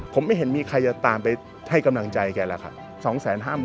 ผมไม่เห็นมีใครจะตามไปให้กำลังใจแกแล้วครับ